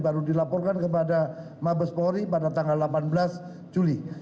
baru dilaporkan kepada mabes polri pada tanggal delapan belas juli